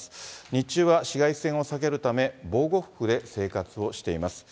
日中は紫外線を避けるため、防護服で生活をしています。